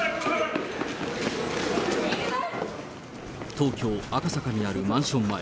東京・赤坂にあるマンション前。